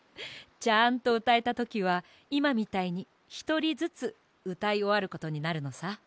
ちゃんとうたえたときはいまみたいにひとりずつうたいおわることになるのさ。